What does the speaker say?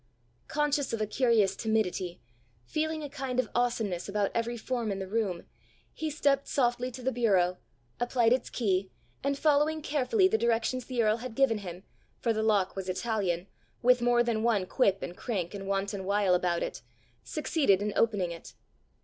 Conscious of a curious timidity, feeling a kind of awesomeness about every form in the room, he stepped softly to the bureau, applied its key, and following carefully the directions the earl had given him, for the lock was Italian, with more than one quip and crank and wanton wile about it, succeeded in opening it.